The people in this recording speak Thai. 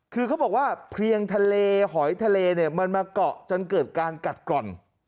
คือเขาบอกว่าเพลียงทะเลหอยทะเลเนี่ยมันมาเกาะจนเกิดการกัดกร่อน